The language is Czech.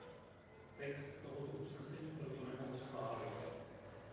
Text tohoto usnesení proto nemohu schválit.